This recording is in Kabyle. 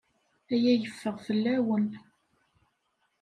Aya yeffeɣ fell-awen.